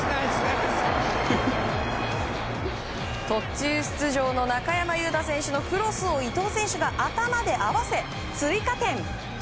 途中出場の中山雄太選手のクロスを伊東選手が頭で合わせ追加点！